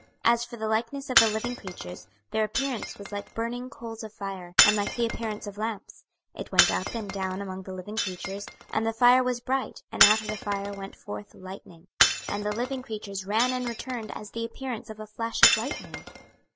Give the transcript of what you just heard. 26:001:013 As for the likeness of the living creatures, their appearance was like burning coals of fire, and like the appearance of lamps: it went up and down among the living creatures; and the fire was bright, and out of the fire went forth lightning. 26:001:014 And the living creatures ran and returned as the appearance of a flash of lightning.